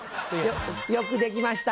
「よくできました。